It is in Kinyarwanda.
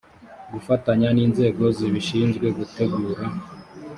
gufatanya n inzego zibishinzwe gutegura